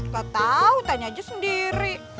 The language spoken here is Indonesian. kau tahu tanya aja sendiri